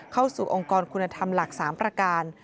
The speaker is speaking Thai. เข้าสู่องค์กรคุณธรรมหลัก๓ประการ